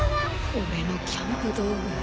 俺のキャンプ道具。